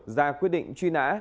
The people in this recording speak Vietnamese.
ra quyết định truy nã